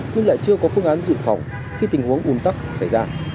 nhưng lại chưa có phương án dự phòng khi tình huống ủn tắc xảy ra